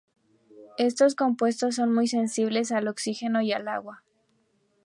Estos compuestos son muy sensibles al oxígeno y al agua.